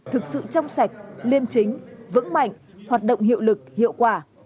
thực sự trong sạch liêm chính vững mạnh hoạt động hiệu lực hiệu quả